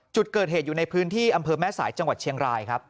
จุดเกิดเหตุอยู่ในพื้นที่อำเภอแม่สายจังหวัดเชียงรายครับ